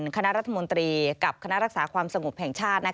คณะรัฐมนตรีกับคณะรักษาความสงบแห่งชาติ